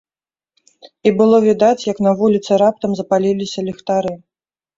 І было відаць, як на вуліцы раптам запаліліся ліхтары.